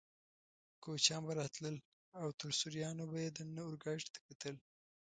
کوچنیان به راتلل او تر سوریانو به یې دننه اورګاډي ته کتل.